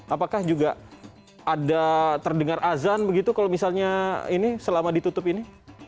apakah juga ada terdengar azan begitu kalau misalnya ini selama ditutup ini